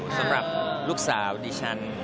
สำหรับลูกสาวดิฉัน